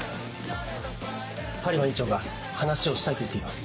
播磨院長が話をしたいと言っています。